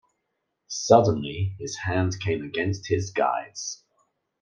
Suddenly his hand came against his guide’s.